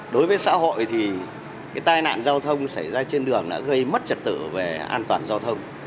đối với xã hội thì cái tai nạn giao thông xảy ra trên đường đã gây mất trật tự về an toàn giao thông